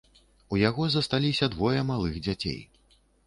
У яго засталіся двое малых дзяцей.